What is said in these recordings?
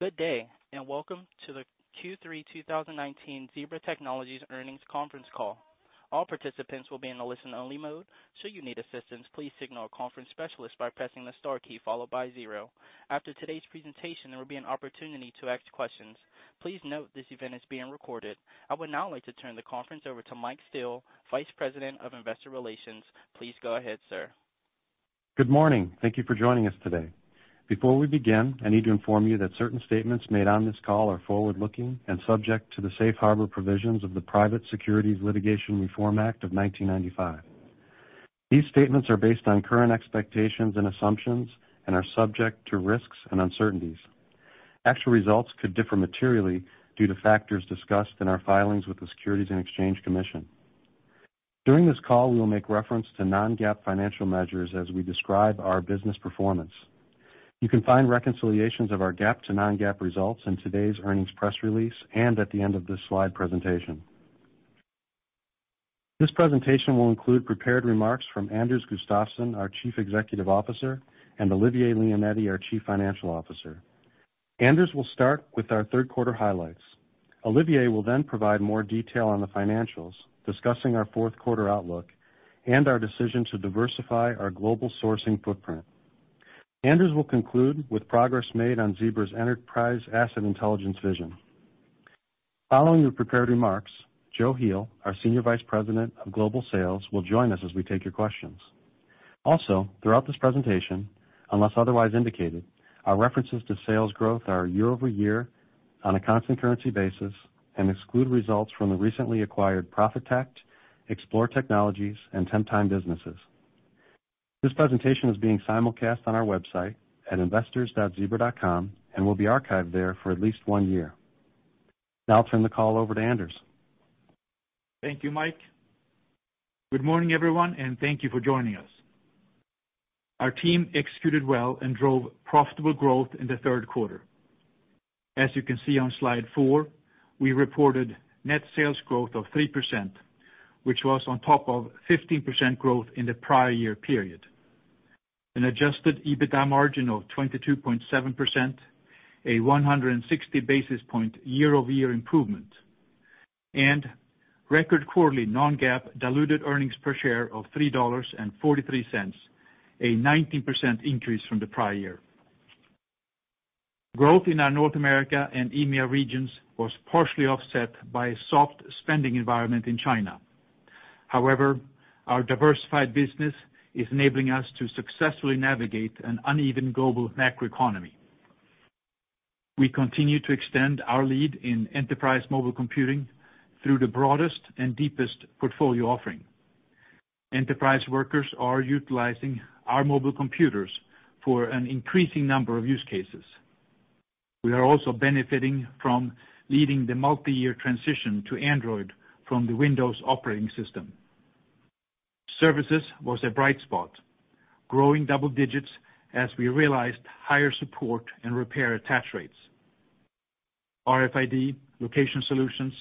Good day, and welcome to the Q3 2019 Zebra Technologies earnings conference call. All participants will be in a listen only mode. Should you need assistance, please signal a conference specialist by pressing the star key followed by zero. After today's presentation, there will be an opportunity to ask questions. Please note this event is being recorded. I would now like to turn the conference over to Michael Steele, Vice President of Investor Relations. Please go ahead, sir. Good morning. Thank you for joining us today. Before we begin, I need to inform you that certain statements made on this call are forward-looking and subject to the safe harbor provisions of the Private Securities Litigation Reform Act of 1995. These statements are based on current expectations and assumptions and are subject to risks and uncertainties. Actual results could differ materially due to factors discussed in our filings with the Securities and Exchange Commission. During this call, we will make reference to non-GAAP financial measures as we describe our business performance. You can find reconciliations of our GAAP to non-GAAP results in today's earnings press release and at the end of this slide presentation. This presentation will include prepared remarks from Anders Gustafsson, our Chief Executive Officer, and Olivier Leonetti, our Chief Financial Officer. Anders will start with our third quarter highlights. Olivier will provide more detail on the financials, discussing our fourth quarter outlook and our decision to diversify our global sourcing footprint. Anders will conclude with progress made on Zebra's enterprise asset intelligence vision. Following the prepared remarks, Joe Heel, our Senior Vice President of Global Sales, will join us as we take your questions. Throughout this presentation, unless otherwise indicated, our references to sales growth are year-over-year on a constant currency basis and exclude results from the recently acquired Profitect, Xplore Technologies, and Temptime businesses. This presentation is being simulcast on our website at investors.zebra.com and will be archived there for at least one year. I'll turn the call over to Anders. Thank you, Mike. Good morning, everyone, and thank you for joining us. Our team executed well and drove profitable growth in the third quarter. As you can see on slide four, we reported net sales growth of 3%, which was on top of 15% growth in the prior year period, an adjusted EBITDA margin of 22.7%, a 160 basis point year-over-year improvement, and record quarterly non-GAAP diluted earnings per share of $3.43, a 19% increase from the prior year. Growth in our North America and EMEA regions was partially offset by a soft spending environment in China. However, our diversified business is enabling us to successfully navigate an uneven global macroeconomy. We continue to extend our lead in enterprise mobile computing through the broadest and deepest portfolio offering. Enterprise workers are utilizing our mobile computers for an increasing number of use cases. We are also benefiting from leading the multiyear transition to Android from the Windows operating system. Services was a bright spot, growing double digits as we realized higher support and repair attach rates. RFID, location solutions,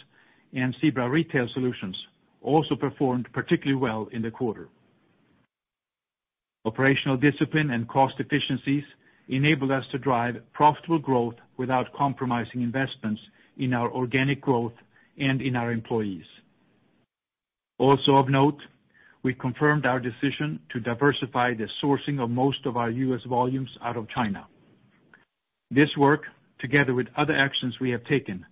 and Zebra retail solutions also performed particularly well in the quarter. Operational discipline and cost efficiencies enabled us to drive profitable growth without compromising investments in our organic growth and in our employees. Also of note, we confirmed our decision to diversify the sourcing of most of our U.S. volumes out of China. This work, together with other actions we have taken,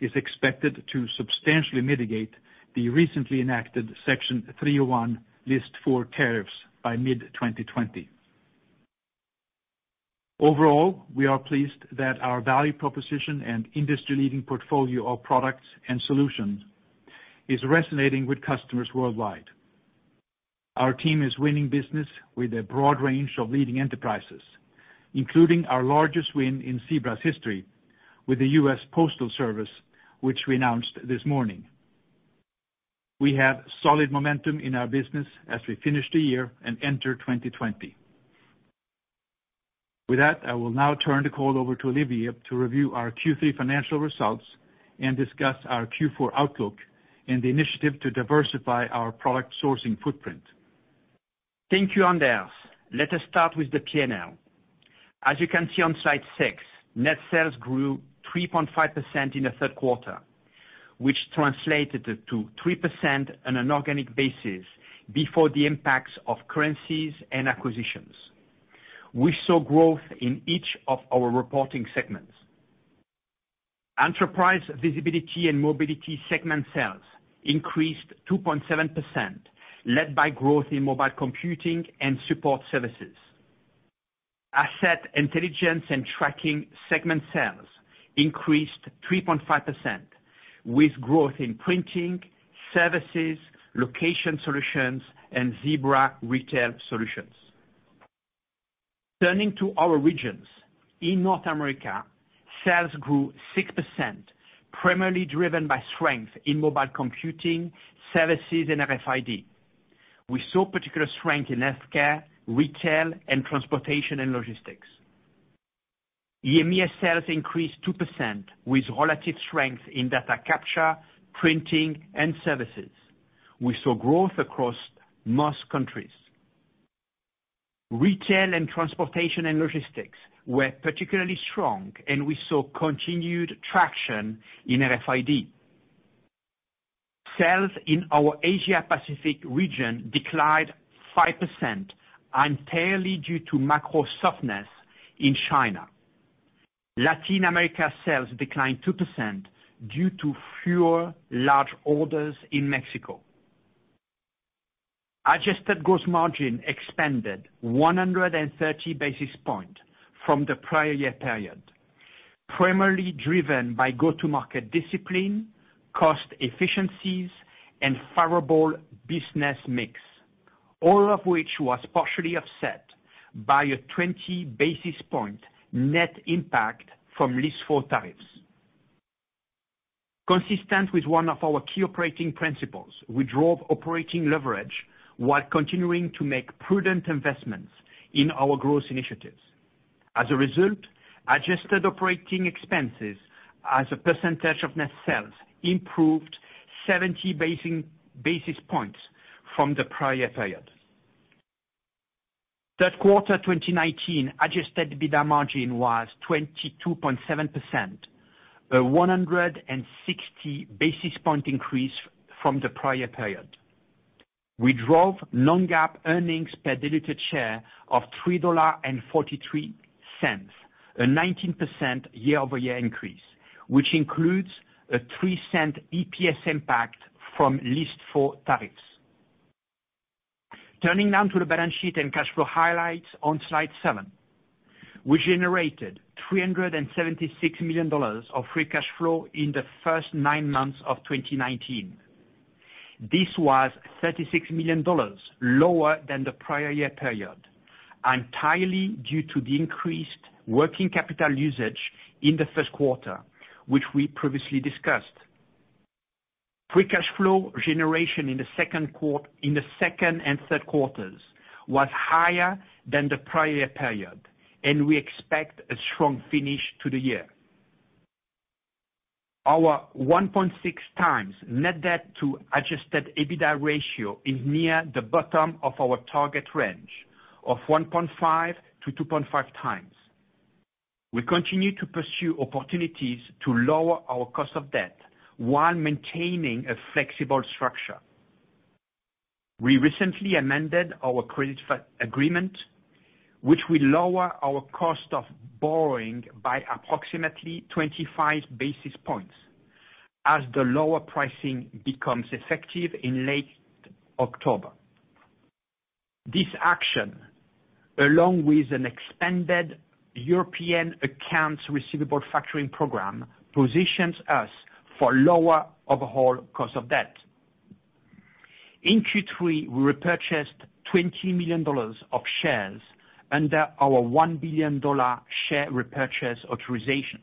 is expected to substantially mitigate the recently enacted Section 301 List 4 tariffs by mid-2020. Overall, we are pleased that our value proposition and industry-leading portfolio of products and solutions is resonating with customers worldwide. Our team is winning business with a broad range of leading enterprises, including our largest win in Zebra's history with the US Postal Service, which we announced this morning. We have solid momentum in our business as we finish the year and enter 2020. With that, I will now turn the call over to Olivier to review our Q3 financial results and discuss our Q4 outlook and the initiative to diversify our product sourcing footprint. Thank you, Anders. Let us start with the P&L. As you can see on slide six, net sales grew 3.5% in the third quarter, which translated to 3% on an organic basis before the impacts of currencies and acquisitions. We saw growth in each of our reporting segments. Enterprise Visibility and Mobility segment sales increased 2.7%, led by growth in mobile computing and support services. Asset Intelligence and Tracking segment sales increased 3.5%, with growth in printing, services, location solutions, and Zebra retail solutions. Turning to our regions. In North America, sales grew 6%, primarily driven by strength in mobile computing, services, and RFID. We saw particular strength in healthcare, retail, and transportation and logistics. EMEA sales increased 2% with relative strength in data capture, printing, and services. We saw growth across most countries. Retail and transportation and logistics were particularly strong. We saw continued traction in RFID. Sales in our Asia Pacific region declined 5% entirely due to macro softness in China. Latin America sales declined 2% due to fewer large orders in Mexico. Adjusted gross margin expanded 130 basis points from the prior year period, primarily driven by go-to-market discipline, cost efficiencies, and favorable business mix, all of which was partially offset by a 20 basis points net impact from List 4 tariffs. Consistent with one of our key operating principles, we drove operating leverage while continuing to make prudent investments in our growth initiatives. As a result, adjusted operating expenses as a percentage of net sales improved 70 basis points from the prior period. Third quarter 2019 adjusted EBITDA margin was 22.7%, a 160 basis points increase from the prior period. We drove non-GAAP earnings per diluted share of $3.43, a 19% year-over-year increase, which includes a $0.03 EPS impact from List 4 tariffs. Turning now to the balance sheet and cash flow highlights on slide seven. We generated $376 million of free cash flow in the first nine months of 2019. This was $36 million lower than the prior year period, entirely due to the increased working capital usage in the first quarter, which we previously discussed. Free cash flow generation in the second and third quarters was higher than the prior period, and we expect a strong finish to the year. Our 1.6 times net debt to adjusted EBITDA ratio is near the bottom of our target range of 1.5 to 2.5 times. We continue to pursue opportunities to lower our cost of debt while maintaining a flexible structure. We recently amended our credit agreement, which will lower our cost of borrowing by approximately 25 basis points as the lower pricing becomes effective in late October. This action, along with an expanded European accounts receivable factoring program, positions us for lower overall cost of debt. In Q3, we repurchased $20 million of shares under our $1 billion share repurchase authorization.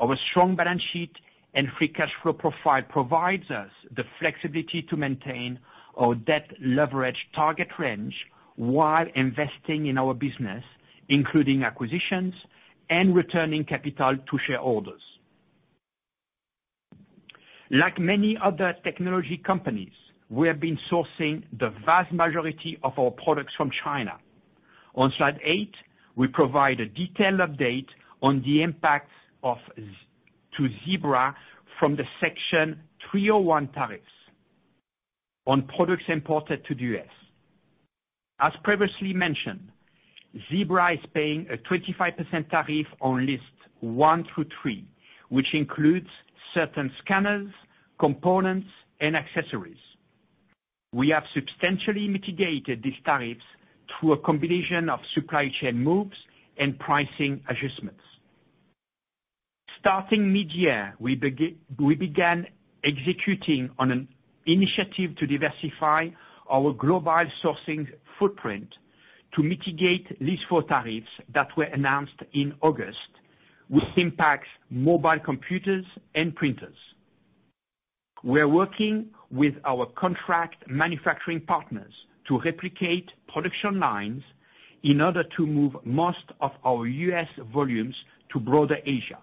Our strong balance sheet and free cash flow profile provides us the flexibility to maintain our debt leverage target range while investing in our business, including acquisitions and returning capital to shareholders. Like many other technology companies, we have been sourcing the vast majority of our products from China. On slide eight, we provide a detailed update on the impact to Zebra from the Section 301 tariffs on products imported to the U.S. As previously mentioned, Zebra is paying a 25% tariff on Lists 1 through 3, which includes certain scanners, components, and accessories. We have substantially mitigated these tariffs through a combination of supply chain moves and pricing adjustments. Starting mid-year, we began executing on an initiative to diversify our global sourcing footprint to mitigate List 4 tariffs that were announced in August, which impacts mobile computers and printers. We are working with our contract manufacturing partners to replicate production lines in order to move most of our U.S. volumes to broader Asia.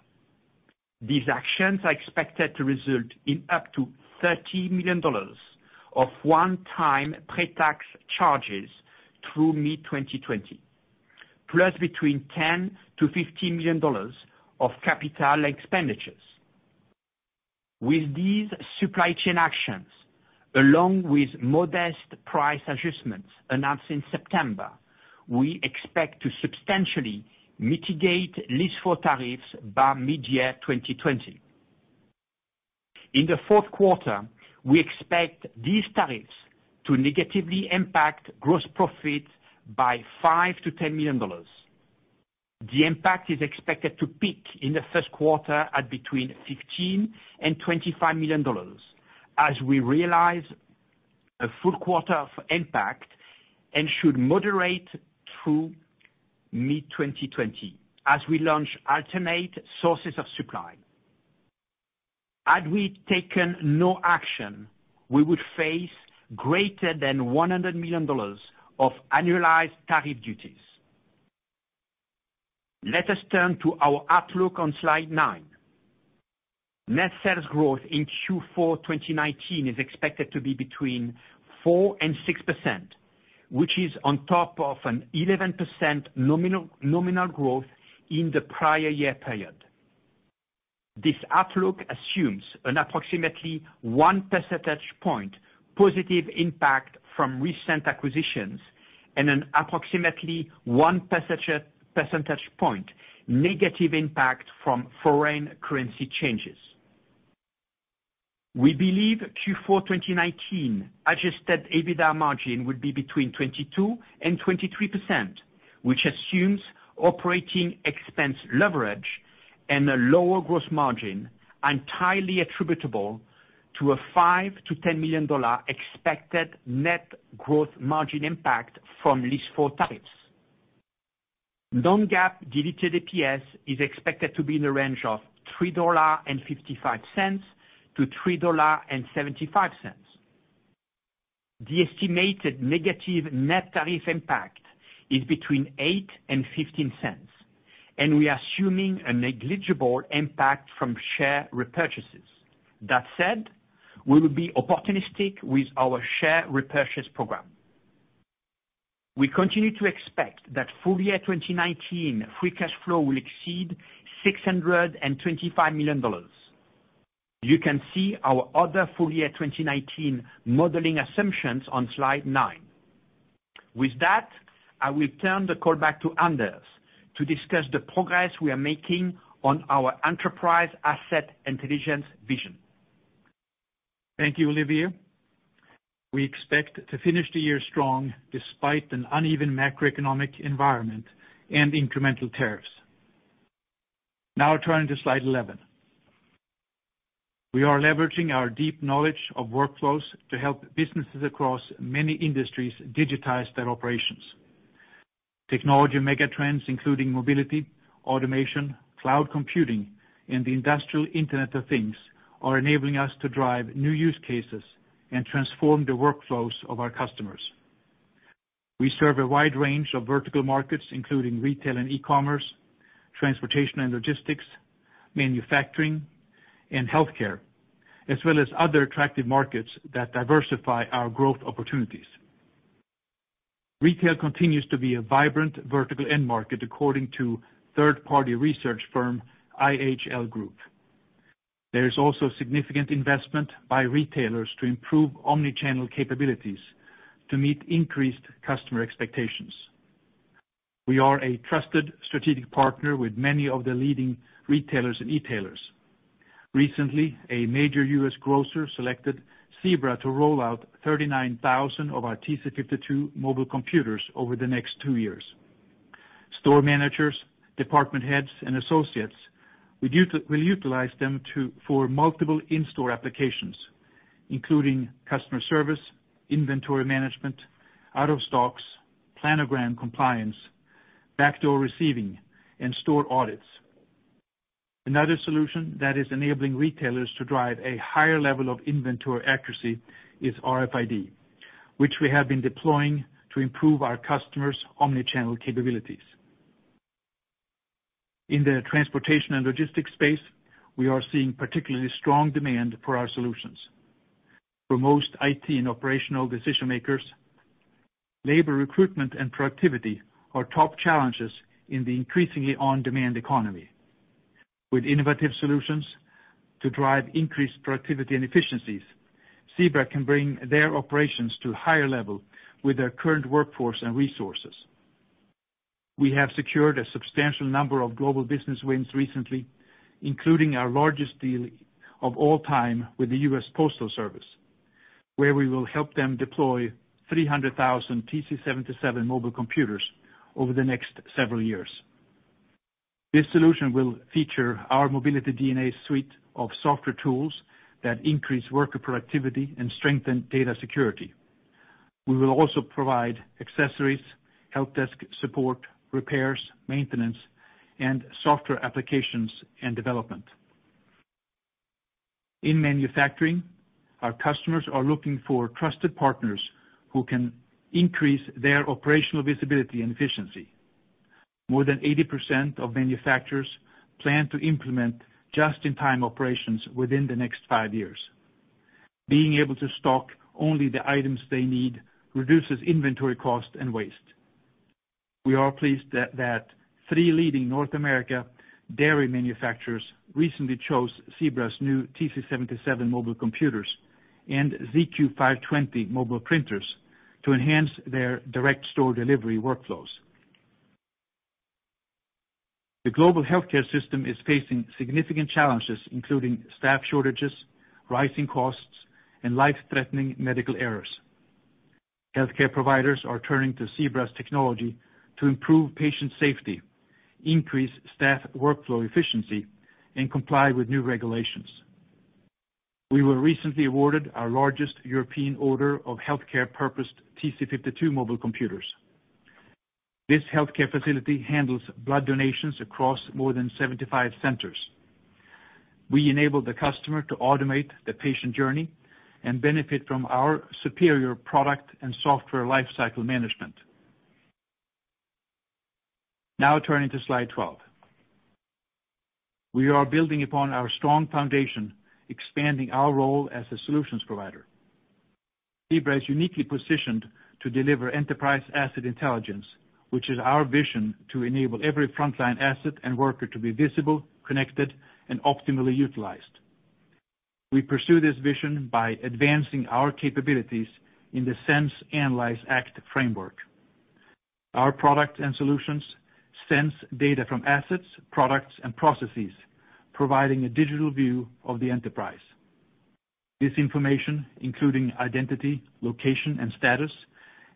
These actions are expected to result in up to $30 million of one-time pre-tax charges through mid-2020, plus between $10 million-$15 million of capital expenditures. With these supply chain actions, along with modest price adjustments announced in September, we expect to substantially mitigate List 4 tariffs by mid-year 2020. In the fourth quarter, we expect these tariffs to negatively impact gross profit by $5 million-$10 million. The impact is expected to peak in the first quarter at between $15 million and $25 million as we realize a full quarter of impact and should moderate through mid-2020 as we launch alternate sources of supply. Had we taken no action, we would face greater than $100 million of annualized tariff duties. Let us turn to our outlook on slide nine. Net sales growth in Q4 2019 is expected to be between 4% and 6%, which is on top of an 11% nominal growth in the prior year period. This outlook assumes an approximately one percentage point positive impact from recent acquisitions and an approximately one percentage point negative impact from foreign currency changes. We believe Q4 2019 adjusted EBITDA margin would be between 22%-23%, which assumes operating expense leverage and a lower gross margin entirely attributable to a $5 million-$10 million expected net growth margin impact from List 4 tariffs. Non-GAAP diluted EPS is expected to be in the range of $3.55-$3.75. The estimated negative net tariff impact is between $0.08-$0.15, and we are assuming a negligible impact from share repurchases. That said, we will be opportunistic with our share repurchase program. We continue to expect that full year 2019 free cash flow will exceed $625 million. You can see our other full year 2019 modeling assumptions on slide nine. With that, I will turn the call back to Anders to discuss the progress we are making on our enterprise asset intelligence vision. Thank you, Olivier. We expect to finish the year strong despite an uneven macroeconomic environment and incremental tariffs. Now turning to slide 11. We are leveraging our deep knowledge of workflows to help businesses across many industries digitize their operations. Technology mega trends including mobility, automation, cloud computing, and the industrial Internet of Things, are enabling us to drive new use cases and transform the workflows of our customers. We serve a wide range of vertical markets including retail and e-commerce, transportation and logistics, manufacturing and healthcare, as well as other attractive markets that diversify our growth opportunities. Retail continues to be a vibrant vertical end market according to third party research firm IHL Group. There is also significant investment by retailers to improve omni-channel capabilities to meet increased customer expectations. We are a trusted strategic partner with many of the leading retailers and e-tailers. Recently, a major U.S. grocer selected Zebra to roll out 39,000 of our TC52 mobile computers over the next two years. Store managers, department heads, and associates will utilize them for multiple in-store applications, including customer service, inventory management, out of stocks, planogram compliance, backdoor receiving, and store audits. Another solution that is enabling retailers to drive a higher level of inventory accuracy is RFID, which we have been deploying to improve our customers' omni-channel capabilities. In the transportation and logistics space, we are seeing particularly strong demand for our solutions. For most IT and operational decision makers, labor recruitment and productivity are top challenges in the increasingly on-demand economy. With innovative solutions to drive increased productivity and efficiencies, Zebra can bring their operations to a higher level with their current workforce and resources. We have secured a substantial number of global business wins recently, including our largest deal of all time with the US Postal Service, where we will help them deploy 300,000 TC77 mobile computers over the next several years. This solution will feature our Mobility DNA suite of software tools that increase worker productivity and strengthen data security. We will also provide accessories, help desk support, repairs, maintenance, and software applications and development. In manufacturing, our customers are looking for trusted partners who can increase their operational visibility and efficiency. More than 80% of manufacturers plan to implement just-in-time operations within the next five years. Being able to stock only the items they need reduces inventory cost and waste. We are pleased that three leading North America dairy manufacturers recently chose Zebra's new TC77 mobile computers and ZQ520 mobile printers to enhance their direct store delivery workflows. The global healthcare system is facing significant challenges including staff shortages, rising costs, and life-threatening medical errors. Healthcare providers are turning to Zebra's technology to improve patient safety, increase staff workflow efficiency, and comply with new regulations. We were recently awarded our largest European order of healthcare purposed TC52 mobile computers. This healthcare facility handles blood donations across more than 75 centers. We enable the customer to automate the patient journey and benefit from our superior product and software lifecycle management. Turning to slide 12. We are building upon our strong foundation, expanding our role as a solutions provider. Zebra is uniquely positioned to deliver enterprise asset intelligence, which is our vision to enable every frontline asset and worker to be visible, connected, and optimally utilized. We pursue this vision by advancing our capabilities in the sense, analyze, act framework. Our product and solutions sense data from assets, products, and processes, providing a digital view of the enterprise. This information, including identity, location, and status,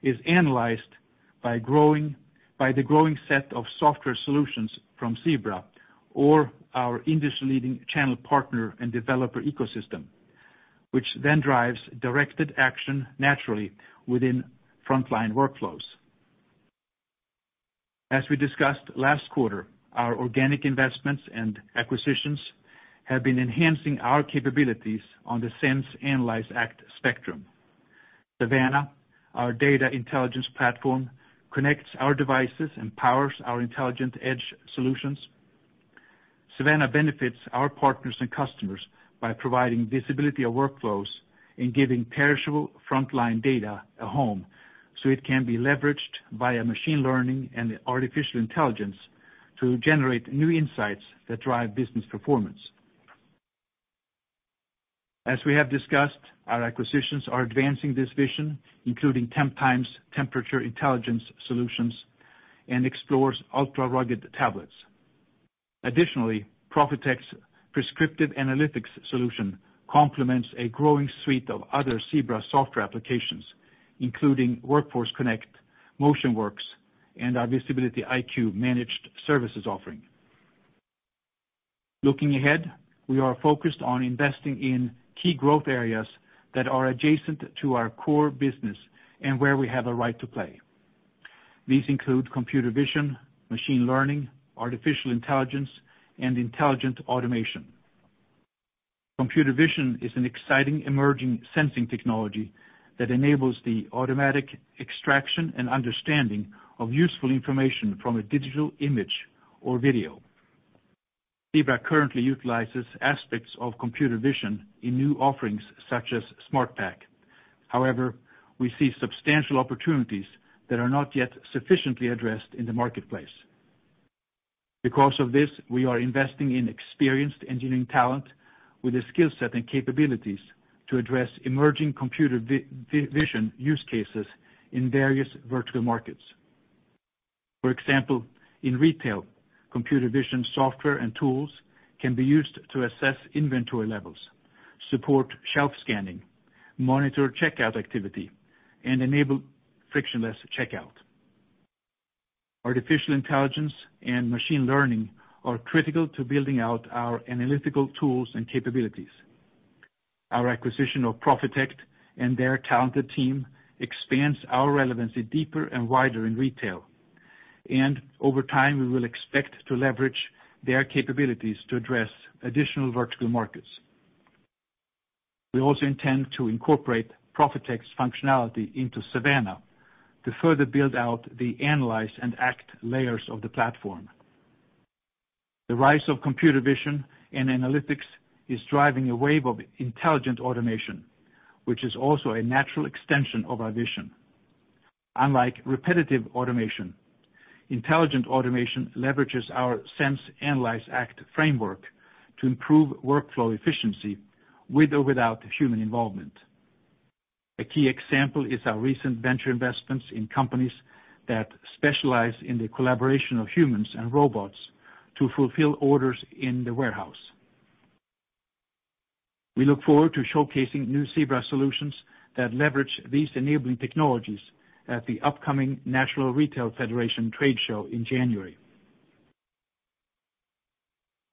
is analyzed by the growing set of software solutions from Zebra or our industry leading channel partner and developer ecosystem, which then drives directed action naturally within frontline workflows. As we discussed last quarter, our organic investments and acquisitions have been enhancing our capabilities on the sense, analyze, act spectrum. Savanna, our data intelligence platform, connects our devices and powers our intelligent edge solutions. Savanna benefits our partners and customers by providing visibility of workflows and giving perishable frontline data a home so it can be leveraged via machine learning and artificial intelligence to generate new insights that drive business performance. As we have discussed, our acquisitions are advancing this vision, including Temptime's temperature intelligence solutions and Xplore's ultra-rugged tablets. Additionally, Profitect prescriptive analytics solution complements a growing suite of other Zebra software applications, including Workforce Connect, MotionWorks, and our VisibilityIQ managed services offering. Looking ahead, we are focused on investing in key growth areas that are adjacent to our core business and where we have a right to play. These include computer vision, machine learning, artificial intelligence, and intelligent automation. Computer vision is an exciting emerging sensing technology that enables the automatic extraction and understanding of useful information from a digital image or video. Zebra currently utilizes aspects of computer vision in new offerings such as SmartPack. We see substantial opportunities that are not yet sufficiently addressed in the marketplace. Because of this, we are investing in experienced engineering talent with a skill set and capabilities to address emerging computer vision use cases in various vertical markets. For example, in retail, computer vision software and tools can be used to assess inventory levels, support shelf scanning, monitor checkout activity, and enable frictionless checkout. Artificial intelligence and machine learning are critical to building out our analytical tools and capabilities. Our acquisition of Profitect and their talented team expands our relevancy deeper and wider in retail. Over time, we will expect to leverage their capabilities to address additional vertical markets. We also intend to incorporate Profitect functionality into Savanna to further build out the analyze and act layers of the platform. The rise of computer vision and analytics is driving a wave of intelligent automation, which is also a natural extension of our vision. Unlike repetitive automation, intelligent automation leverages our sense, analyze, act framework to improve workflow efficiency with or without human involvement. A key example is our recent venture investments in companies that specialize in the collaboration of humans and robots to fulfill orders in the warehouse. We look forward to showcasing new Zebra solutions that leverage these enabling technologies at the upcoming National Retail Federation trade show in January.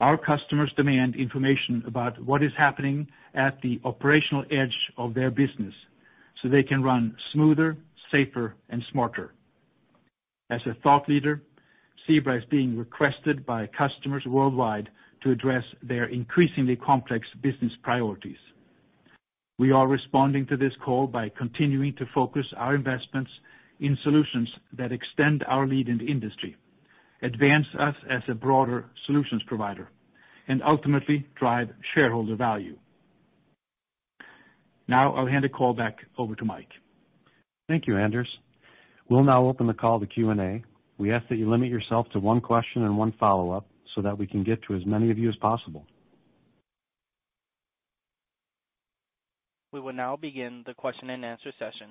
Our customers demand information about what is happening at the operational edge of their business so they can run smoother, safer, and smarter. As a thought leader, Zebra is being requested by customers worldwide to address their increasingly complex business priorities. We are responding to this call by continuing to focus our investments in solutions that extend our lead in the industry, advance us as a broader solutions provider, and ultimately drive shareholder value. Now I'll hand the call back over to Mike. Thank you, Anders. We'll now open the call to Q&A. We ask that you limit yourself to one question and one follow-up so that we can get to as many of you as possible. We will now begin the question and answer session.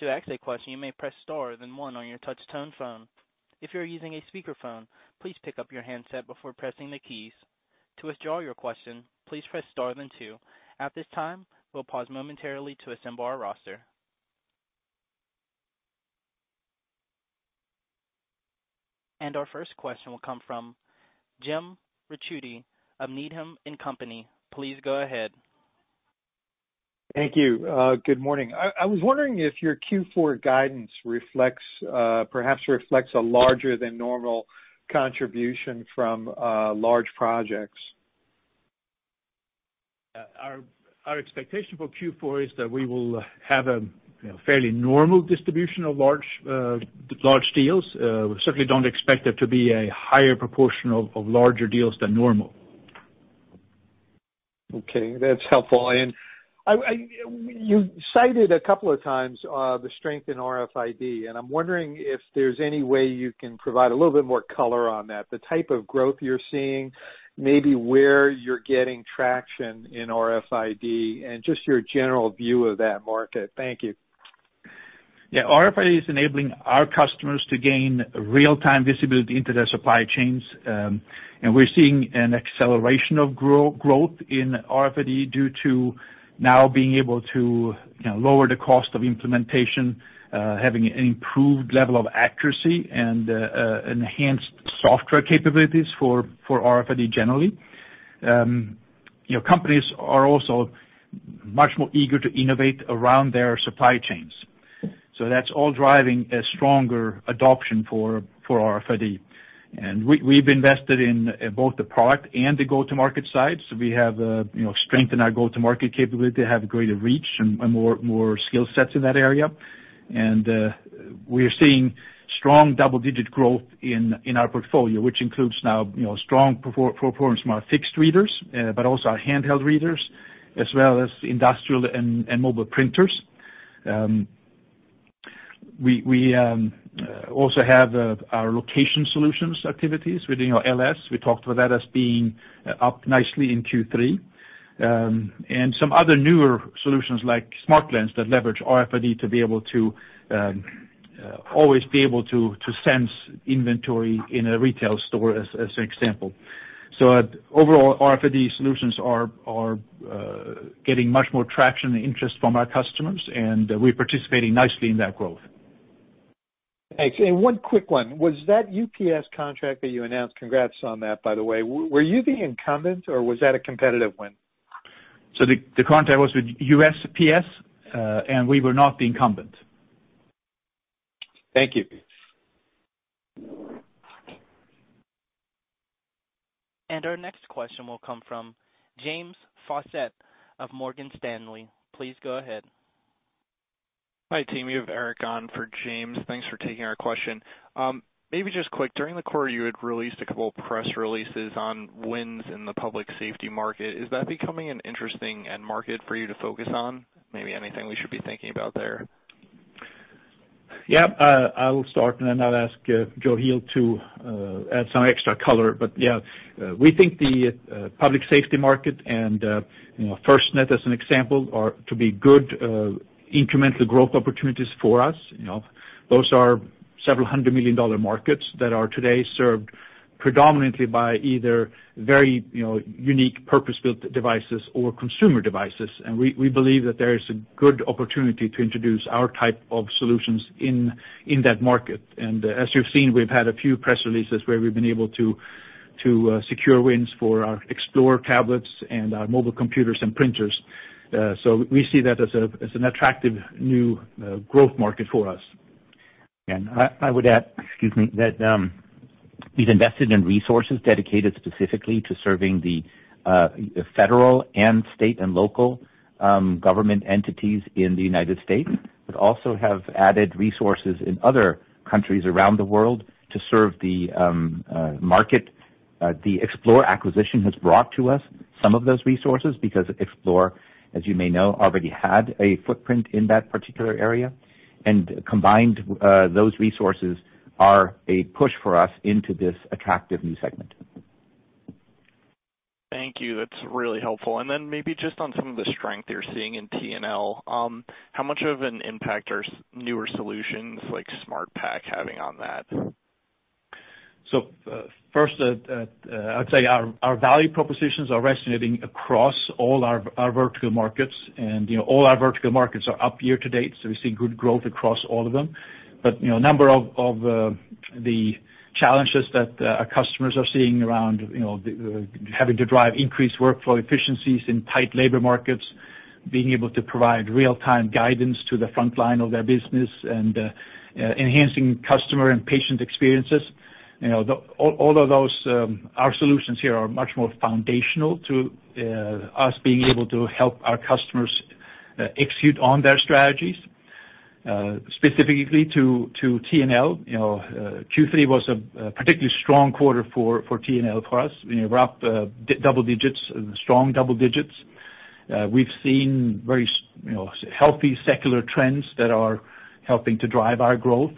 To ask a question, you may press star then one on your touch-tone phone. If you're using a speakerphone, please pick up your handset before pressing the keys. To withdraw your question, please press star then two. At this time, we'll pause momentarily to assemble our roster. Our first question will come from Jim Ricchiuti of Needham and Company. Please go ahead. Thank you. Good morning. I was wondering if your Q4 guidance perhaps reflects a larger than normal contribution from large projects? Our expectation for Q4 is that we will have a fairly normal distribution of large deals. We certainly don't expect there to be a higher proportion of larger deals than normal. Okay, that's helpful. You cited a couple of times, the strength in RFID, and I'm wondering if there's any way you can provide a little bit more color on that. The type of growth you're seeing, maybe where you're getting traction in RFID, and just your general view of that market. Thank you. Yeah. RFID is enabling our customers to gain real-time visibility into their supply chains. We're seeing an acceleration of growth in RFID due to now being able to lower the cost of implementation, having an improved level of accuracy, and enhanced software capabilities for RFID, generally. Companies are also much more eager to innovate around their supply chains. That's all driving a stronger adoption for RFID. We've invested in both the product and the go-to-market side. We have strengthened our go-to-market capability, have greater reach, and more skill sets in that area. We're seeing strong double-digit growth in our portfolio, which includes now strong performance from our fixed readers, but also our handheld readers, as well as industrial and mobile printers. We also have our Location Solutions activities within our LS. We talked about that as being up nicely in Q3. Some other newer solutions like SmartLens that leverage RFID to be able to always be able to sense inventory in a retail store, as an example. Overall, RFID solutions are getting much more traction and interest from our customers, and we're participating nicely in that growth. Thanks. One quick one. Was that USPS contract that you announced, congrats on that, by the way, were you the incumbent or was that a competitive win? The contract was with USPS, and we were not the incumbent. Thank you. Our next question will come from James Faucette of Morgan Stanley. Please go ahead. Hi, team. You have Eric on for James. Thanks for taking our question. Maybe just quick, during the quarter, you had released a couple of press releases on wins in the public safety market. Is that becoming an interesting end market for you to focus on? Maybe anything we should be thinking about there? I will start and then I'll ask Joe Heel to add some extra color. We think the public safety market and FirstNet, as an example, are to be good incremental growth opportunities for us. Those are several hundred million dollar markets that are today served predominantly by either very unique purpose-built devices or consumer devices. We believe that there is a good opportunity to introduce our type of solutions in that market. As you've seen, we've had a few press releases where we've been able to secure wins for our Xplore tablets and our mobile computers and printers. We see that as an attractive new growth market for us. I would add, excuse me, that we've invested in resources dedicated specifically to serving the federal and state and local government entities in the U.S., but also have added resources in other countries around the world to serve the market. The Xplore acquisition has brought to us some of those resources because Xplore, as you may know, already had a footprint in that particular area. Combined, those resources are a push for us into this attractive new segment. Thank you. That's really helpful. Maybe just on some of the strength you're seeing in T&L, how much of an impact are newer solutions like SmartPack having on that? First, I'd say our value propositions are resonating across all our vertical markets. All our vertical markets are up year to date, so we see good growth across all of them. A number of the challenges that our customers are seeing around having to drive increased workflow efficiencies in tight labor markets, being able to provide real-time guidance to the frontline of their business, and enhancing customer and patient experiences, all of those, our solutions here are much more foundational to us being able to help our customers execute on their strategies. Specifically to T&L, Q3 was a particularly strong quarter for T&L for us. We're up strong double digits. We've seen very healthy secular trends that are helping to drive our growth.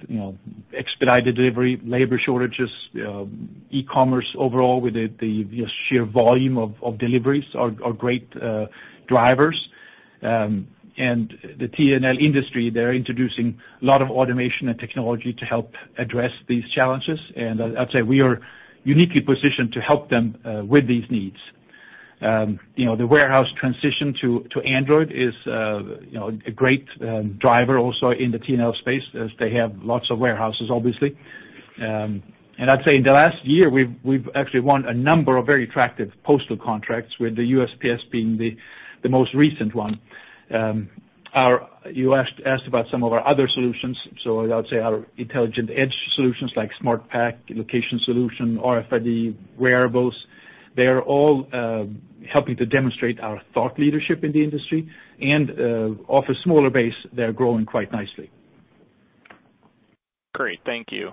Expedited delivery, labor shortages, e-commerce overall with the sheer volume of deliveries are great drivers. The T&L industry, they're introducing a lot of automation and technology to help address these challenges. I'd say we are uniquely positioned to help them with these needs. The warehouse transition to Android is a great driver also in the T&L space, as they have lots of warehouses, obviously. I'd say in the last year, we've actually won a number of very attractive postal contracts, with the USPS being the most recent one. You asked about some of our other solutions, I would say our intelligent edge solutions like SmartPack, location solution, RFID, wearables, they are all helping to demonstrate our thought leadership in the industry, and off a smaller base, they're growing quite nicely. Great. Thank you.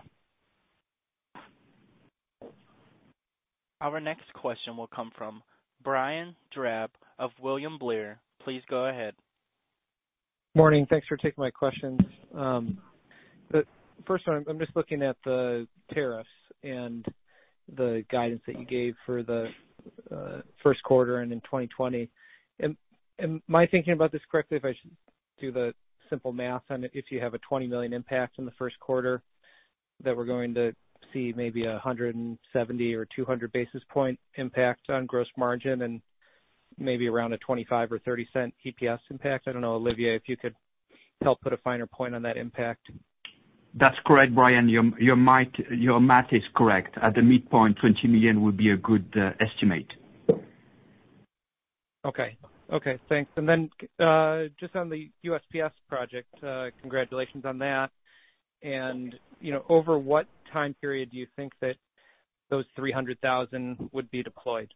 Our next question will come from Brian Drab of William Blair. Please go ahead. Morning. Thanks for taking my questions. First one, I'm just looking at the tariffs and the guidance that you gave for the first quarter and in 2020. Am I thinking about this correctly if I do the simple math on if you have a $20 million impact in the first quarter, that we're going to see maybe 170 or 200 basis point impact on gross margin and maybe around a $0.25 or $0.30 EPS impact? I don't know, Olivier, if you could help put a finer point on that impact. That's correct, Brian. Your math is correct. At the midpoint, $20 million would be a good estimate. Okay. Thanks. Just on the USPS project, congratulations on that. Over what time period do you think that those 300,000 would be deployed?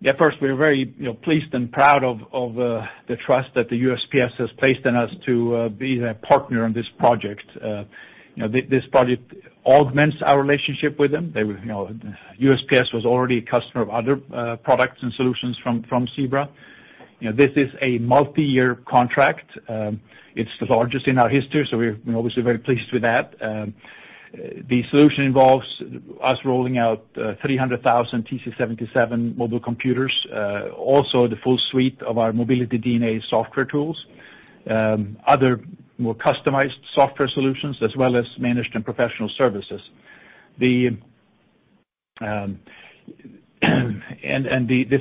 Yeah, first, we're very pleased and proud of the trust that the USPS has placed in us to be their partner on this project. This project augments our relationship with them. USPS was already a customer of other products and solutions from Zebra. This is a multi-year contract. It's the largest in our history, so we're obviously very pleased with that. The solution involves us rolling out 300,000 TC77 mobile computers, also the full suite of our Mobility DNA software tools, other more customized software solutions, as well as managed and professional services. This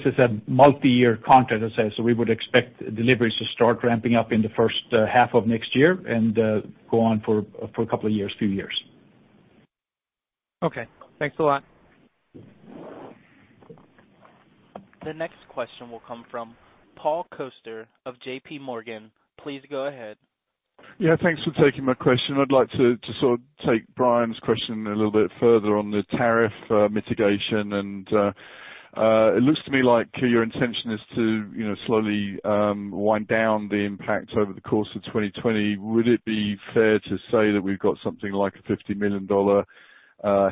is a multi-year contract, as I say, so we would expect deliveries to start ramping up in the first half of next year and go on for a couple of years, few years. Okay. Thanks a lot. The next question will come from Paul Coster of JP Morgan. Please go ahead. Thanks for taking my question. I'd like to sort of take Brian's question a little bit further on the tariff mitigation. It looks to me like your intention is to slowly wind down the impact over the course of 2020. Would it be fair to say that we've got something like a $50 million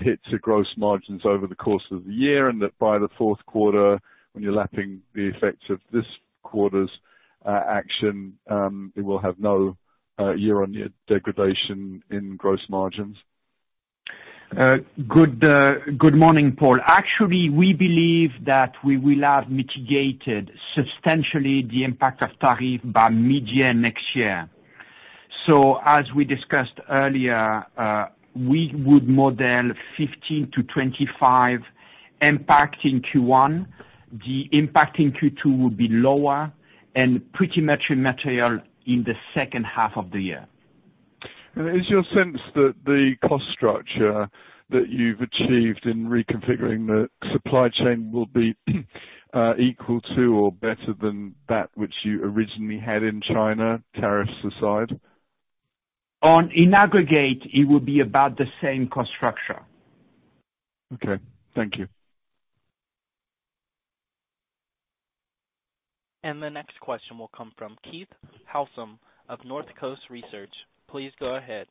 hit to gross margins over the course of the year, and that by the fourth quarter, when you're lapping the effects of this quarter's action, it will have no year-on-year degradation in gross margins? Good morning, Paul. Actually, we believe that we will have mitigated substantially the impact of tariff by mid-year next year. As we discussed earlier, we would model 15%-25% impact in Q1. The impact in Q2 would be lower and pretty much immaterial in the second half of the year. Is your sense that the cost structure that you've achieved in reconfiguring the supply chain will be equal to or better than that which you originally had in China, tariffs aside? In aggregate, it would be about the same cost structure. Okay. Thank you. The next question will come from Keith Housum of Northcoast Research. Please go ahead.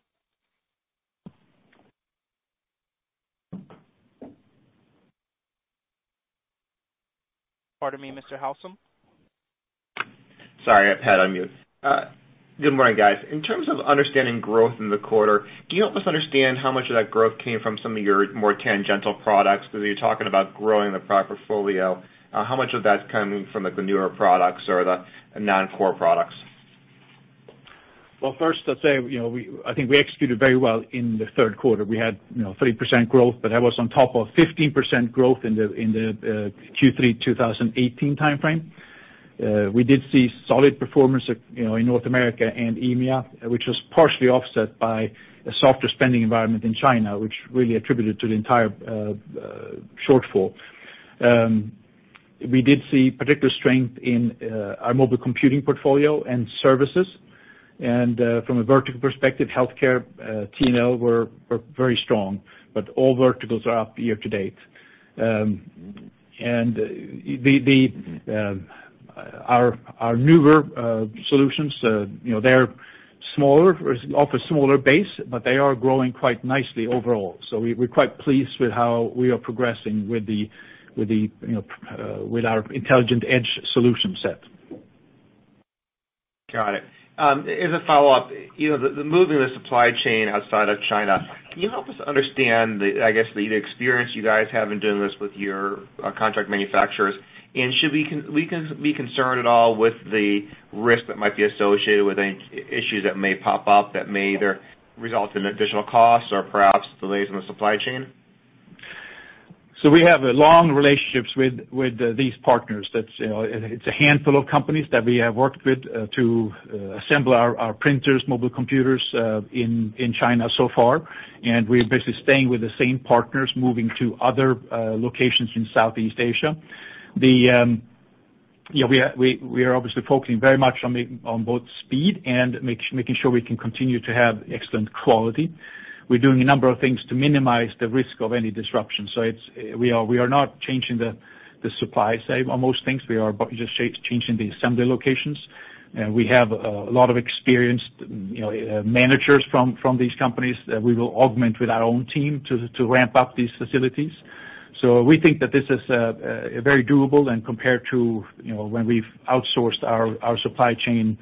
Pardon me, Mr. Housum. Sorry, I've had on mute. Good morning, guys. In terms of understanding growth in the quarter, can you help us understand how much of that growth came from some of your more tangential products? You're talking about growing the product portfolio. How much of that's coming from the newer products or the non-core products? Well, first, I'd say, I think we executed very well in the third quarter. We had 30% growth, but that was on top of 15% growth in the Q3 2018 timeframe. We did see solid performance in North America and EMEA, which was partially offset by a softer spending environment in China, which really attributed to the entire shortfall. We did see particular strength in our mobile computing portfolio and services. From a vertical perspective, healthcare, T&L were very strong. All verticals are up year to date. Our newer solutions, they offer smaller base, but they are growing quite nicely overall. We're quite pleased with how we are progressing with our intelligent edge solution set. Got it. As a follow-up, the moving the supply chain outside of China, can you help us understand the, I guess, the experience you guys have in doing this with your contract manufacturers? Should we be concerned at all with the risk that might be associated with any issues that may pop up that may either result in additional costs or perhaps delays in the supply chain? We have long relationships with these partners. It's a handful of companies that we have worked with to assemble our printers, mobile computers, in China so far. We're basically staying with the same partners, moving to other locations in Southeast Asia. We are obviously focusing very much on both speed and making sure we can continue to have excellent quality. We're doing a number of things to minimize the risk of any disruption. We are not changing the supply side on most things. We are just changing the assembly locations. We have a lot of experienced managers from these companies that we will augment with our own team to ramp up these facilities. We think that this is very doable and compared to when we've outsourced our supply chain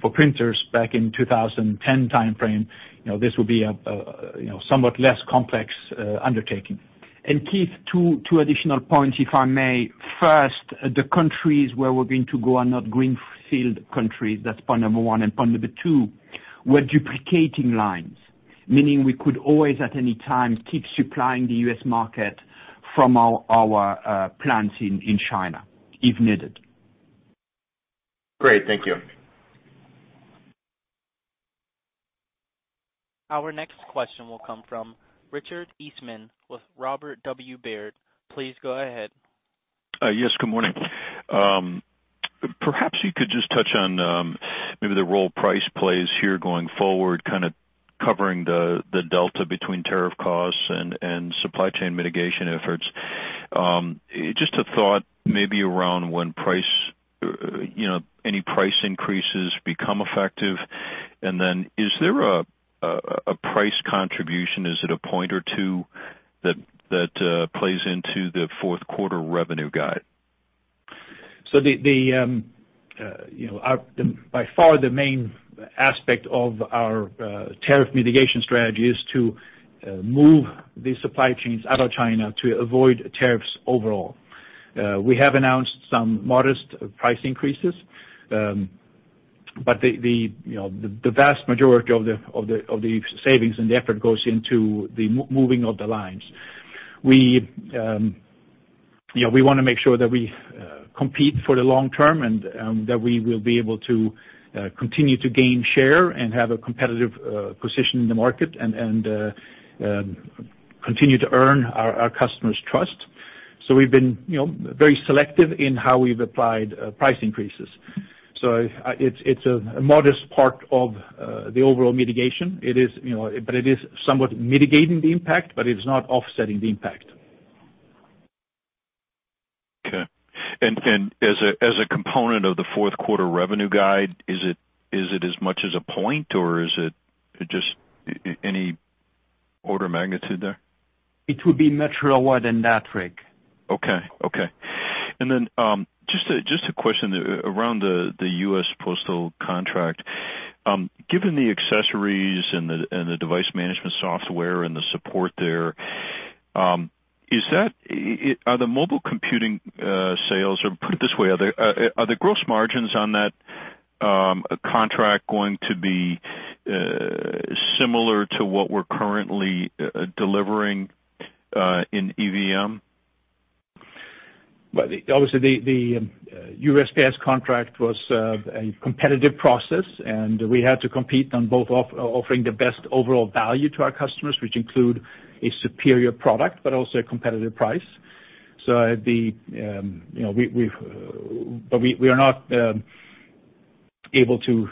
for printers back in 2010 timeframe, this will be a somewhat less complex undertaking. Keith, two additional points, if I may. First, the countries where we're going to go are not greenfield countries. That's point number one. Point number two, we're duplicating lines, meaning we could always, at any time, keep supplying the U.S. market from our plants in China if needed. Great. Thank you. Our next question will come from Richard Eastman with Robert W. Baird. Please go ahead. Yes, good morning. Perhaps you could just touch on maybe the role price plays here going forward, kind of covering the delta between tariff costs and supply chain mitigation efforts. Just a thought maybe around when any price increases become effective. Then is there a price contribution? Is it a point or two that plays into the fourth quarter revenue guide? By far, the main aspect of our tariff mitigation strategy is to move the supply chains out of China to avoid tariffs overall. We have announced some modest price increases. The vast majority of the savings and the effort goes into the moving of the lines. We want to make sure that we compete for the long term, and that we will be able to continue to gain share and have a competitive position in the market, and continue to earn our customers' trust. We've been very selective in how we've applied price increases. It's a modest part of the overall mitigation. It is somewhat mitigating the impact, but it's not offsetting the impact. Okay. As a component of the fourth quarter revenue guide, is it as much as a point, or is it just any order of magnitude there? It will be much lower than that, Rick. Okay. Just a question around the U.S. Postal contract. Given the accessories and the device management software and the support there, are the mobile computing sales, or put it this way, are the gross margins on that contract going to be similar to what we're currently delivering in EVM? Well, obviously, the USPS contract was a competitive process, and we had to compete on both offering the best overall value to our customers, which include a superior product, but also a competitive price. We are not able to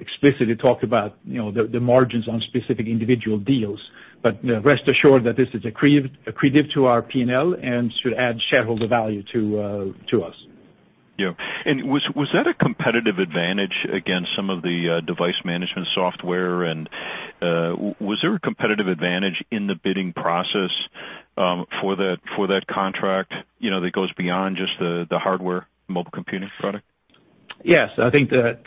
explicitly talk about the margins on specific individual deals. Rest assured that this is accretive to our P&L and should add shareholder value to us. Yeah. Was that a competitive advantage against some of the device management software, and was there a competitive advantage in the bidding process for that contract that goes beyond just the hardware mobile computing product? Yes. I think that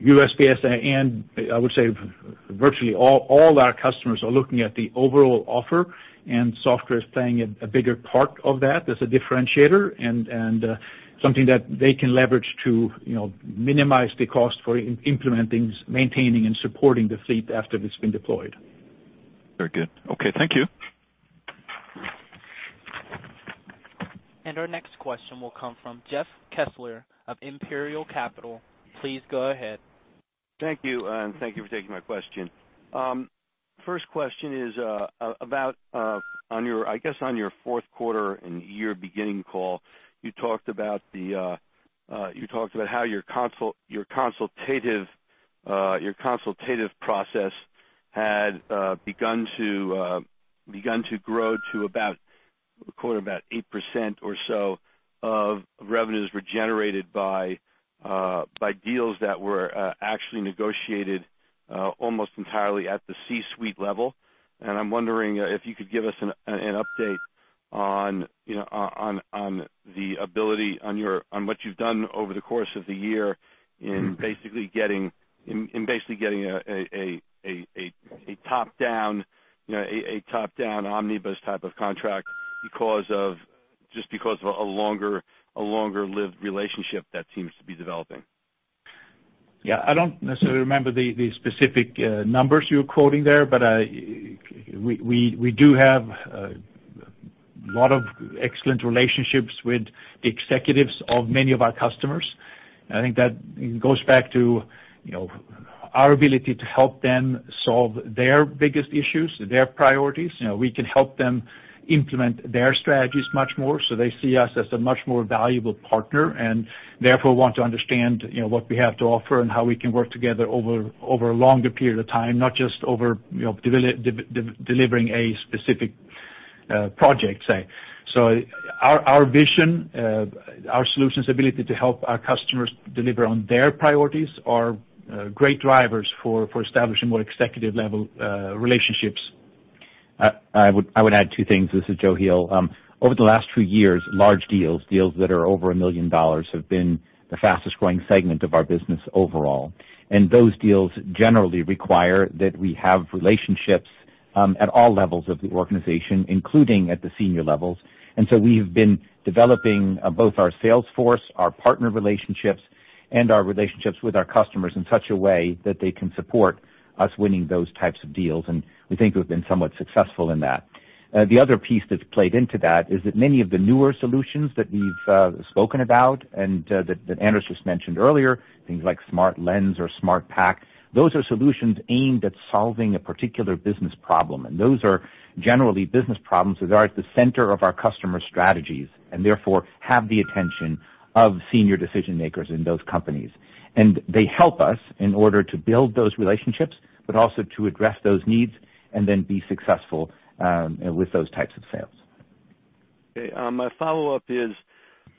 USPS, I would say virtually all our customers are looking at the overall offer, and software is playing a bigger part of that as a differentiator and something that they can leverage to minimize the cost for implementing, maintaining, and supporting the fleet after it's been deployed. Very good. Okay. Thank you. Our next question will come from Jeff Kessler of Imperial Capital. Please go ahead. Thank you. Thank you for taking my question. First question is about on your fourth quarter and year beginning call, you talked about how your consultative process had begun to grow to about, according to about 8% or so of revenues were generated by deals that were actually negotiated almost entirely at the C-suite level. I'm wondering if you could give us an update on what you've done over the course of the year in basically getting a top-down omnibus type of contract just because of a longer-lived relationship that seems to be developing. Yeah, I don't necessarily remember the specific numbers you're quoting there, but we do have a lot of excellent relationships with the executives of many of our customers. I think that goes back to our ability to help them solve their biggest issues, their priorities. We can help them implement their strategies much more, so they see us as a much more valuable partner, and therefore want to understand what we have to offer and how we can work together over a longer period of time, not just over delivering a specific project, say. Our vision, our solution's ability to help our customers deliver on their priorities are great drivers for establishing more executive-level relationships. I would add two things. This is Joe Heel. Over the last few years, large deals that are over $1 million, have been the fastest-growing segment of our business overall. Those deals generally require that we have relationships at all levels of the organization, including at the senior levels. We've been developing both our sales force, our partner relationships, and our relationships with our customers in such a way that they can support us winning those types of deals, and we think we've been somewhat successful in that. The other piece that's played into that is that many of the newer solutions that we've spoken about and that Anders just mentioned earlier, things like SmartLens or SmartPack, those are solutions aimed at solving a particular business problem. Those are generally business problems that are at the center of our customer strategies, and therefore, have the attention of senior decision-makers in those companies. They help us in order to build those relationships, but also to address those needs and then be successful with those types of sales. Okay. My follow-up is,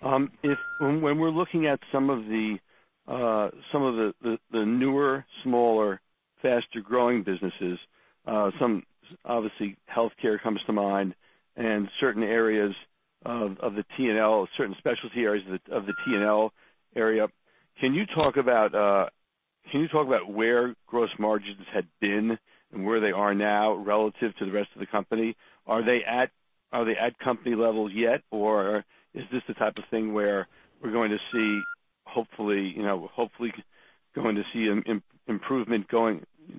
when we're looking at some of the newer, smaller, faster-growing businesses, some obviously healthcare comes to mind and certain areas of the T&L, certain specialty areas of the T&L area. Can you talk about where gross margins had been and where they are now relative to the rest of the company? Are they at company level yet, or is this the type of thing where we're going to see, hopefully, going to see improvement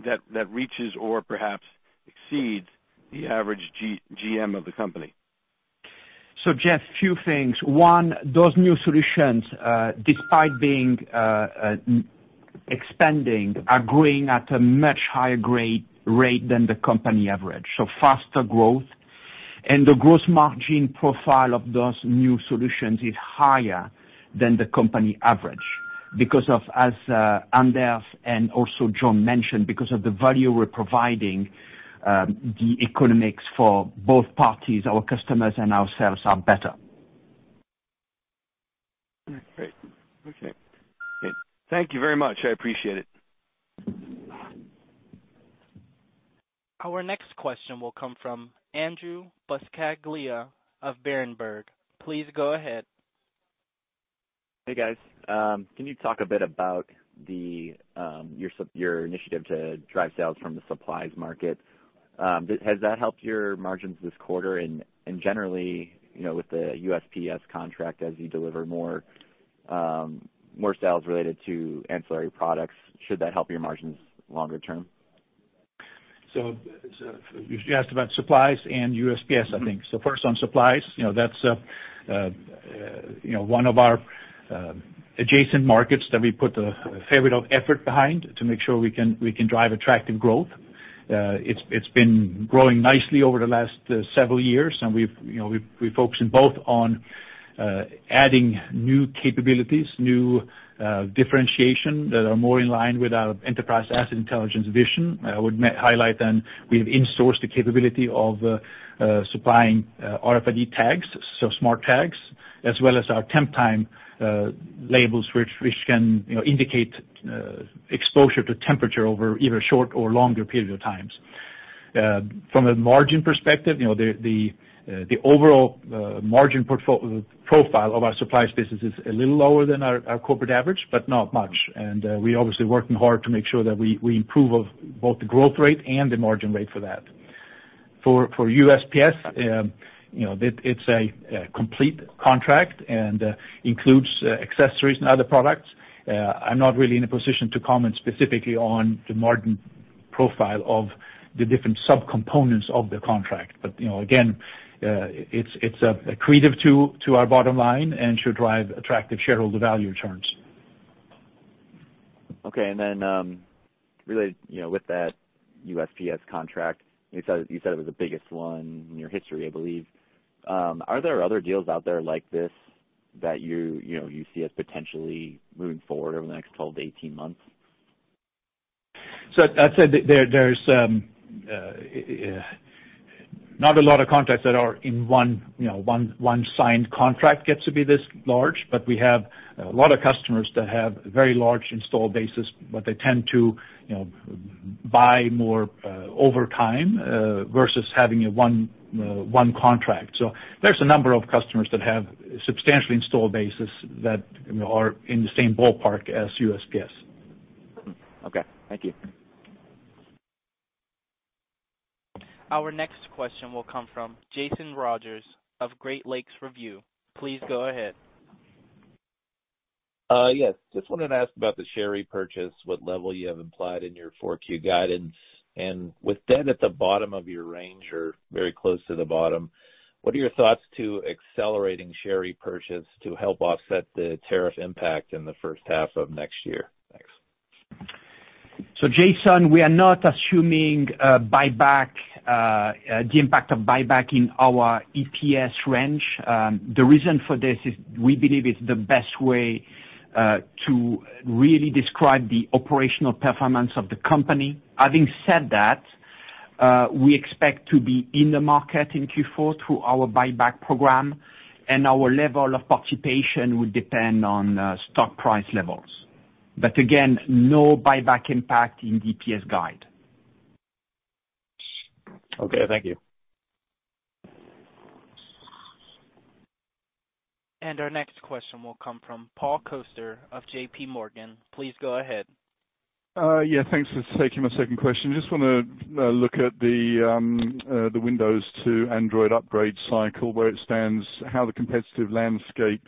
that reaches or perhaps exceeds the average GM of the company? Jeff, few things. One, those new solutions, despite expanding, are growing at a much higher rate than the company average. Faster growth. The gross margin profile of those new solutions is higher than the company average. Because as Anders and also Joe mentioned, because of the value we're providing, the economics for both parties, our customers and ourselves, are better. All right. Great. Okay. Thank you very much. I appreciate it. Our next question will come from Andrew Buscaglia of Berenberg. Please go ahead. Hey, guys. Can you talk a bit about your initiative to drive sales from the supplies market? Has that helped your margins this quarter and generally, with the USPS contract, as you deliver more sales related to ancillary products, should that help your margins longer term? You asked about supplies and USPS, I think. First on supplies, that's one of our adjacent markets that we put a fair bit of effort behind to make sure we can drive attractive growth. It's been growing nicely over the last several years, and we're focusing both on adding new capabilities, new differentiation that are more in line with our enterprise asset intelligence vision. I would highlight then we have insourced the capability of supplying RFID tags, so smart tags, as well as our Temptime labels, which can indicate exposure to temperature over either short or longer period of times. From a margin perspective, the overall margin profile of our supplies business is a little lower than our corporate average, but not much. We're obviously working hard to make sure that we improve both the growth rate and the margin rate for that. For USPS, it's a complete contract and includes accessories and other products. I'm not really in a position to comment specifically on the margin profile of the different sub-components of the contract. Again, it's accretive to our bottom line and should drive attractive shareholder value returns. Okay. Related with that USPS contract, you said it was the biggest one in your history, I believe. Are there other deals out there like this that you see as potentially moving forward over the next 12 to 18 months? I'd say there's not a lot of contracts that are in one signed contract gets to be this large, but we have a lot of customers that have very large install bases, but they tend to buy more over time versus having one contract. There's a number of customers that have substantial install bases that are in the same ballpark as USPS. Okay. Thank you. Our next question will come from Jason Rogers of Great Lakes Review. Please go ahead. Yes. Just wanted to ask about the share repurchase, what level you have implied in your 4Q guidance. With debt at the bottom of your range or very close to the bottom, what are your thoughts to accelerating share repurchase to help offset the tariff impact in the first half of next year? Thanks. Jason, we are not assuming the impact of buyback in our EPS range. The reason for this is we believe it's the best way to really describe the operational performance of the company. Having said that, we expect to be in the market in Q4 through our buyback program, and our level of participation will depend on stock price levels. Again, no buyback impact in the EPS guide. Okay. Thank you. Our next question will come from Paul Coster of JP Morgan. Please go ahead. Yeah, thanks for taking my second question. Just want to look at the Windows to Android upgrade cycle, where it stands, how the competitive landscape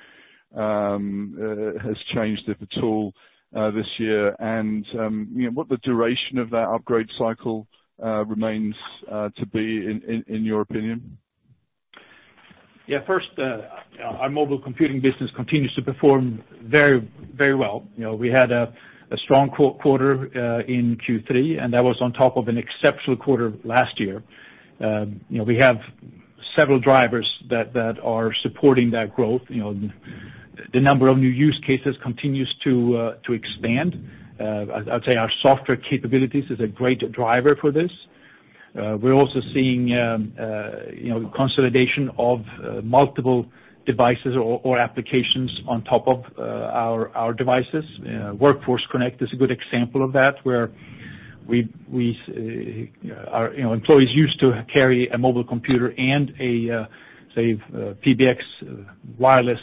has changed, if at all, this year, and what the duration of that upgrade cycle remains to be in your opinion? Yeah. Our mobile computing business continues to perform very well. We had a strong quarter in Q3. That was on top of an exceptional quarter last year. We have several drivers that are supporting that growth. The number of new use cases continues to expand. I'd say our software capabilities is a great driver for this. We're also seeing consolidation of multiple devices or applications on top of our devices. Workforce Connect is a good example of that, where employees used to carry a mobile computer and a PBX wireless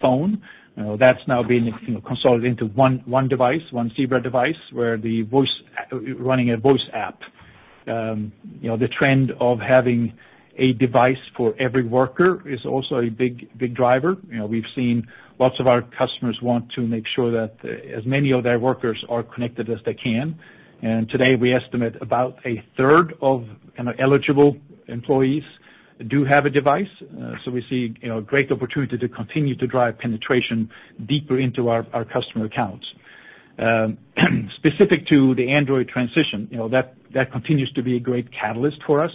phone. That's now been consolidated into one Zebra device where the voice app, running a voice app. The trend of having a device for every worker is also a big driver. We've seen lots of our customers want to make sure that as many of their workers are connected as they can. Today, we estimate about 1/3 of eligible employees do have a device. We see great opportunity to continue to drive penetration deeper into our customer accounts. Specific to the Android transition, that continues to be a great catalyst for us.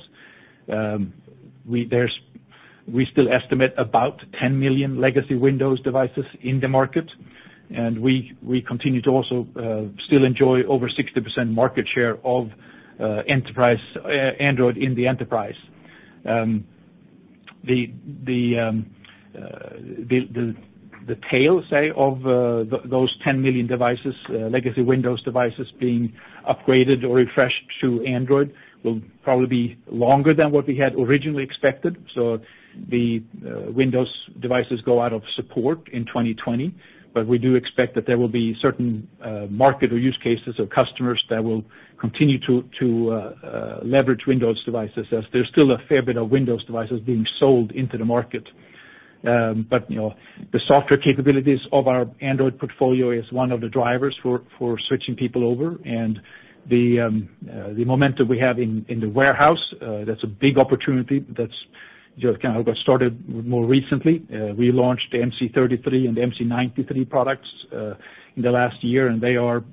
We still estimate about 10 million legacy Windows devices in the market, and we continue to also still enjoy over 60% market share of Android in the enterprise. The tail, say, of those 10 million legacy Windows devices being upgraded or refreshed to Android will probably be longer than what we had originally expected. The Windows devices go out of support in 2020. We do expect that there will be certain market or use cases or customers that will continue to leverage Windows devices, as there's still a fair bit of Windows devices being sold into the market. The software capabilities of our Android portfolio is one of the drivers for switching people over, and the momentum we have in the warehouse, that's a big opportunity that got started more recently. We launched the MC3300 and MC9300 products in the last year, and they are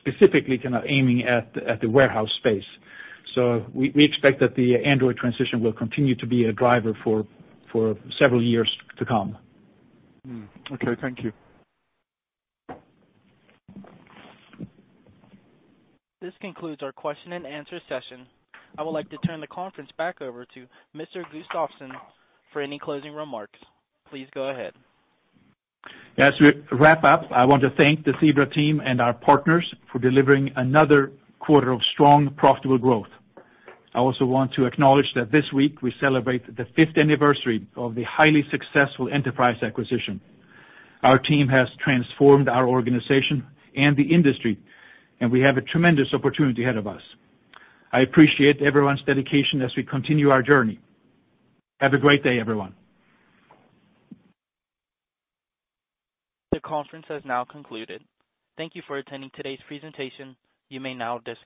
specifically aiming at the warehouse space. We expect that the Android transition will continue to be a driver for several years to come. Okay. Thank you. This concludes our question and answer session. I would like to turn the conference back over to Mr. Gustafsson for any closing remarks. Please go ahead. As we wrap up, I want to thank the Zebra team and our partners for delivering another quarter of strong, profitable growth. I also want to acknowledge that this week we celebrate the fifth anniversary of the highly successful Enterprise acquisition. Our team has transformed our organization and the industry, and we have a tremendous opportunity ahead of us. I appreciate everyone's dedication as we continue our journey. Have a great day, everyone. The conference has now concluded. Thank you for attending today's presentation. You may now disconnect.